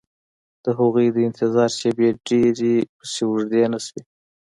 د هغوی د انتظار شېبې ډېرې پسې اوږدې نه شوې